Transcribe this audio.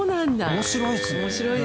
面白いですね。